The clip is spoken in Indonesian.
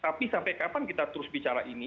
tapi sampai kapan kita terus bicara ini